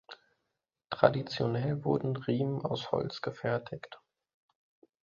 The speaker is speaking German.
Traditionell wurden Riemen aus Holz gefertigt.